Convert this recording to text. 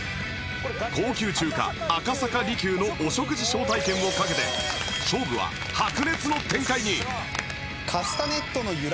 高級中華赤坂璃宮のお食事招待券を懸けて勝負は白熱の展開に